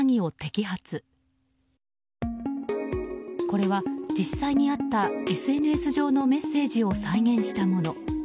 これは実際にあったＳＮＳ上のメッセージを再現したもの。